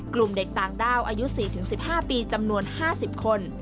กลุ่มเด็กต่างด้าวอายุ๔๑๕ปีจำนวน๕๐คน